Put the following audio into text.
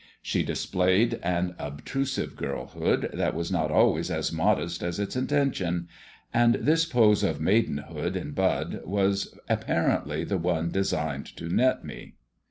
She displayed an obtrusive girlhood that was not always as modest as its intention, and this pose of maidenhood in bud was apparently the one designed to net me.